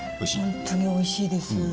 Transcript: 本当においしいです。